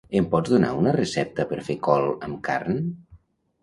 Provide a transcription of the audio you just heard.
Em pots donar una recepta per fer col amb carn?